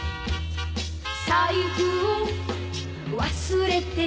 「財布を忘れて」